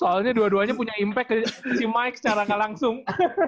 soalnya dua duanya punya impact ke si mike secara gak langsung